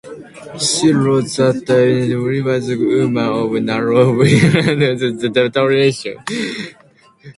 She wrote that Edith Wilson was a woman of narrow views and formidable determination.